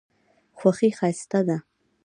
خوښي ښایسته ده.